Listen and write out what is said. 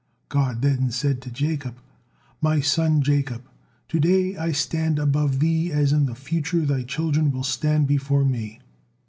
God then said to Jacob, 'My son Jacob, to day I stand above thee as in the future thy children will stand before Me.'